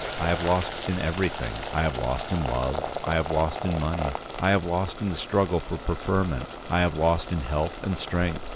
I have lost in everything — I have lost in love, I have lost in money, I have lost in the struggle for preferment, I have lost in health and strength.